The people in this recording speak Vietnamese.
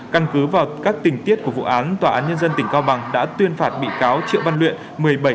căn cứ vào các tình tiết của vụ án tòa án nhân dân tỉnh cao bằng đã tuyên phạt bị cáo triệu văn luyện